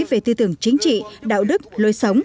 về tư tưởng chính trị đạo đức lối sống